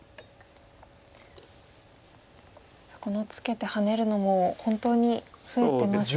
さあこのツケてハネるのも本当に増えてますよね。